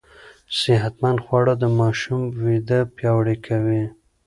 صحتمند خواړه د ماشوم وده پياوړې کوي.